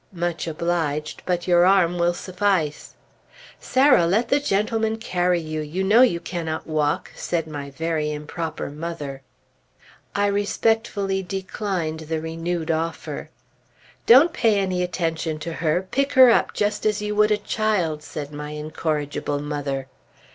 "Much obliged, but your arm will suffice." "Sarah, let the gentleman carry you! You know you cannot walk!" said my very improper mother. I respectfully declined the renewed offer. "Don't pay any attention to her. Pick her up, just as you would a child," said my incorrigible mother.